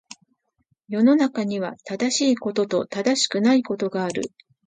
世の中には、正しいことと正しくないことがある。